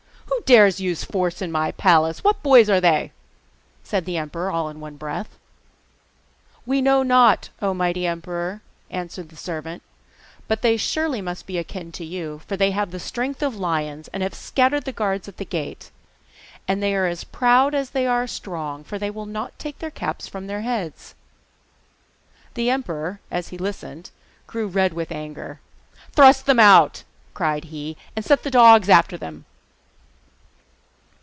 Who dares to use force in my palace? What boys are they?' said the emperor all in one breath. 'We know not, O mighty emperor,' answered the servant, 'but they must surely be akin to you, for they have the strength of lions, and have scattered the guards at the gate. And they are as proud as they are strong, for they will not take their caps from their heads.' The emperor, as he listened, grew red with anger. 'Thrust them out,' cried he. 'Set the dogs after them.